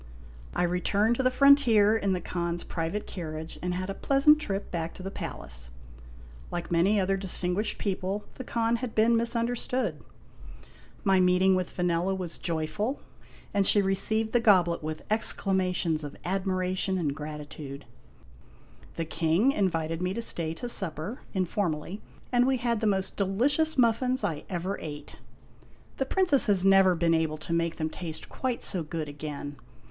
I returned to the frontier in the Khan's private carriage, and had a pleasant trip back to the palace. Like many other distin guished people, the Khan had been misunderstood. My meeting with Vanella was joyful, and she received the goblet with exclamations of admiration and gratitude. THE WINNING OF VANELLA 123 The King invited me to stay to supper, informally ; and we had the most delicious muffins I ever ate. The Princess has never been able to make them taste quite so good again.